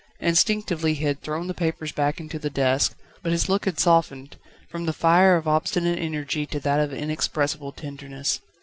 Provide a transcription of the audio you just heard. Instinctively he had thrown the papers back into the desk, but his look had softened, from the fire of obstinate energy to that of inexpressible tenderness.